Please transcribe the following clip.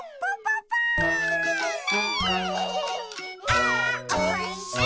「あーおいしい」